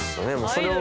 それを。